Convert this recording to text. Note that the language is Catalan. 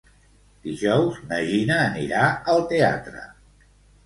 Dijous na Gina anirà al teatre.